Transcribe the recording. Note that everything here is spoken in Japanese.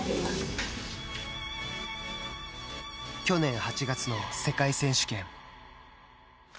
去年８月の世界選手権。